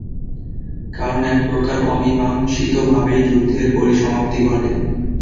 কারণ এক প্রকার অমীমাংসিতভাবেই যুদ্ধের পরিসমাপ্তি ঘটে।